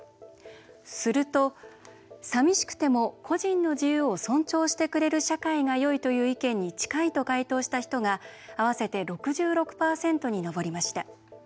すると「さみしくても個人の自由を尊重してくれる社会がよいという意見に近い」と回答した人が合わせて６６％に上りました。